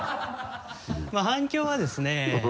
まぁ反響はですね